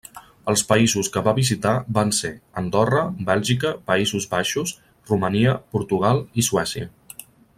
Els països que va visitar van ser Andorra, Bèlgica, Països Baixos, Romania, Portugal i Suècia.